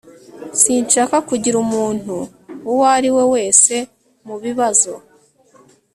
sinshaka kugira umuntu uwo ari we wese mu bibazo